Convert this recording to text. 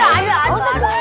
aduh aduh aduh